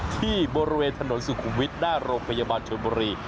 ที่บริเวณถนนสุขุมวิทย์หน้าโรงพยาบาลชนบุรี